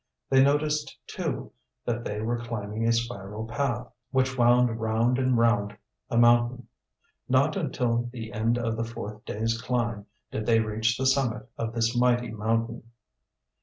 They noticed, too, that they were climbing a spiral path, which wound round and round the mountain. Not until the end of the fourth day's climb did they reach the summit of this mighty mountain.